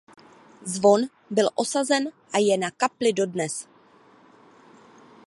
Zvon byl osazen a je na kapli dodnes.